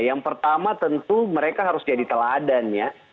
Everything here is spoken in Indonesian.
yang pertama tentu mereka harus jadi teladan ya